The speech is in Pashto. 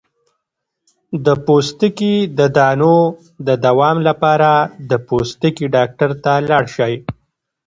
د پوستکي د دانو د دوام لپاره د پوستکي ډاکټر ته لاړ شئ